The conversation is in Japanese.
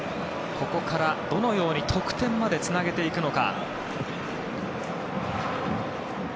ここからどのように得点までつなげていくのか。